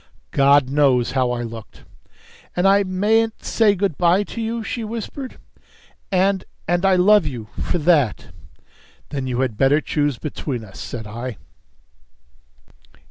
God knows how I looked! "And I mayn't say good by to you," she whispered. "And and I love you for that!" "Then you had better choose between us," said I.